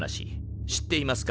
知っていますか？